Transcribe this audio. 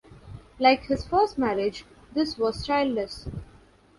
Like his first marriage, this was childless.